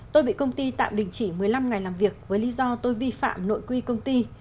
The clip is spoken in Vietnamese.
tôi bị công ty tạm đình chỉ một mươi năm ngày làm việc với lý do tôi vi phạm nội quy công ty